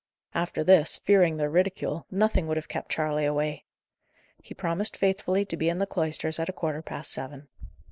After this, fearing their ridicule, nothing would have kept Charley away. He promised faithfully to be in the cloisters at a quarter past seven.